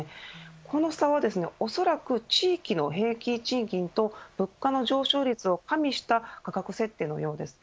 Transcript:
この差はおそらく地域の平均賃金と物価の上昇率を加味した価格設定のようです。